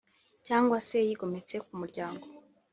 cyangwa se yigometse ku muryango